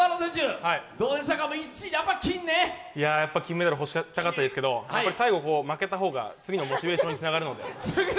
金メダル欲しかったですけど最後、負けた方が次のモチベーションにつながるので。